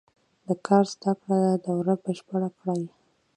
د کار زده کړې دوره بشپړه کړي.